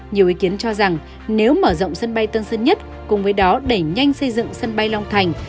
chính phủ nói rằng nếu mở rộng sân bay tân sơn nhất cùng với đó đẩy nhanh xây dựng sân bay long thành